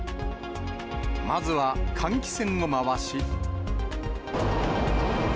まずは換気扇を回し。